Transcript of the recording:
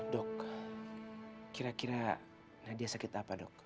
dok kira kira nadia sakit apa dok